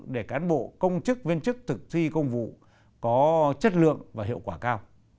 để cán bộ công chức viên chức thực thi công vụ có chất lượng và hiệu quả cao